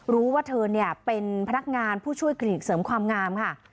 รู้ว่าเธอเนี่ยเป็นพนักงานผู้ช่วยกรีดเสริมความงามค่ะ